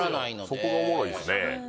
そこがおもろいですね